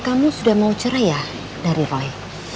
kamu sudah mau cerai dari roy